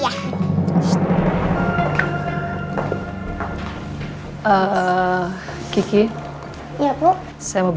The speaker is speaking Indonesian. soalnya asas banget